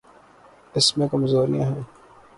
اس میں کمزوریاں ہیں۔